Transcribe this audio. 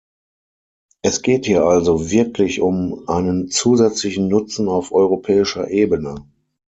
Es geht hier also wirklich um einen zusätzlichen Nutzen auf europäischer Ebene.